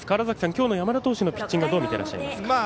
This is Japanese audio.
今日の山田投手のピッチングはどう見ていらっしゃいますか？